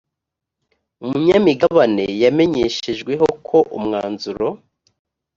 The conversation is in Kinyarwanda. munyamigabane yamenyeshejweho ko umwanzuro